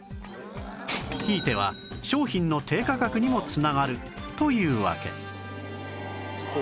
ひいては商品の低価格にも繋がるというわけ